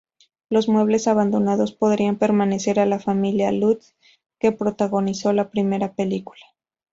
Los muebles abandonados podrían pertenecer a la familia Lutz, que protagonizó la primera película.